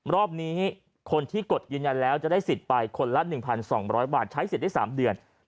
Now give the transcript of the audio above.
รอบนี้คนที่กดยืนยันแล้วจะได้สิทธิ์ไปคนละ๑๒๐๐บาทใช้สิทธิ์ได้๓เดือน